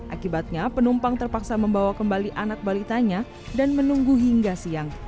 akibatnya penumpang terpaksa membawa kembali anak balitanya dan menunggu hingga siang